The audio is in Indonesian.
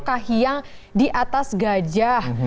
kahiyang di atas gajah